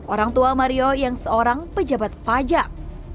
orang tua mario yang seorang pejabat pajak